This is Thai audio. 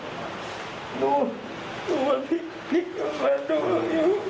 ดูดูว่าพี่กับแม่ไปดูอยู่